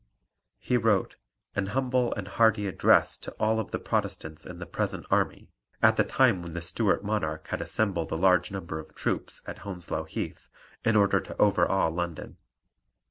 He wrote An Humble and Hearty Address to all the Protestants in the Present Army at the time when the Stuart monarch had assembled a large number of troops at Hounslow Heath in order to overawe London.